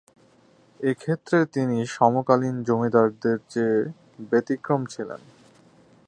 এক্ষেত্রে তিনি সমকালীন জমিদারদের চেয়ে ব্যতিক্রম ছিলেন।